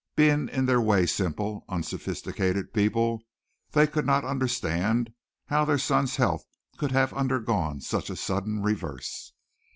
Being in their way simple, unsophisticated people, they could not understand how their son's health could have undergone such a sudden reverse.